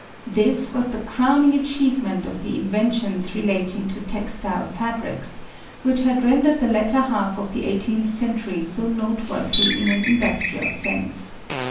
This was the crowning achievement of the inventions relating to textile fabrics, which had rendered the latter half of the eighteenth century so noteworthy in an industrial sense.